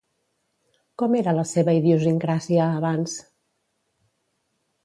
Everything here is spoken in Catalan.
Com era la seva idiosincràsia abans?